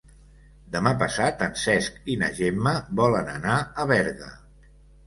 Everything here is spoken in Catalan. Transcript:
Demà passat en Cesc i na Gemma volen anar a Berga.